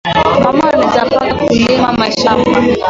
Mama anawezi paka ku lima mashamba